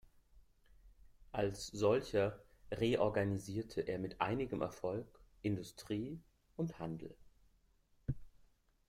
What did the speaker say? Als solcher reorganisierte er mit einigem Erfolg Industrie und Handel.